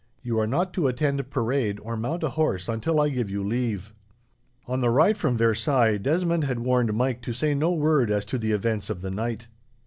You are not to attend parade, or mount a horse, until I give you leave." On the ride from Versailles, Desmond had warned Mike to say no word as to the events of the night.